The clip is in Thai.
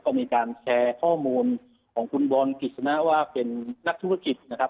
ก็มีการแชร์ข้อมูลของคุณบอลกฤษณะว่าเป็นนักธุรกิจนะครับ